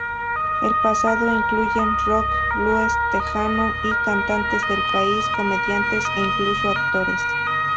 El pasado incluyen Rock, Blues, Tejano, y cantantes del país, comediantes e incluso actores.